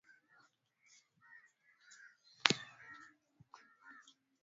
Alimuomba amletee magari matatu lakini yasiegeshwe kwa mbele